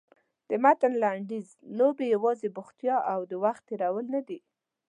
د متن لنډیز لوبې یوازې بوختیا او وخت تېرول نه دي.